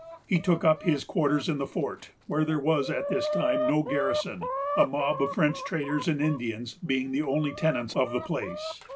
He took up his quarters in the fort, where there was at this time no garrison, a mob of French traders and Indians being the only tenants of the place.